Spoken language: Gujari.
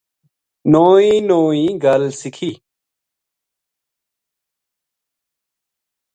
نوئی نوئی گل سکھی